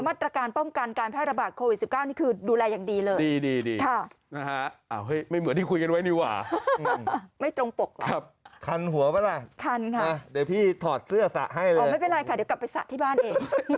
มาตรการป้องกันโควิด๑๙คือดูแล